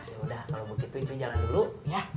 yaudah kalo begitu cu jalan dulu ya